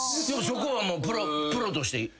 そこはもうプロとして？